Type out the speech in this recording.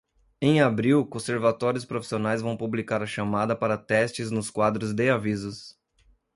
Em abril, conservatórios profissionais vão publicar a chamada para testes nos quadros de avisos.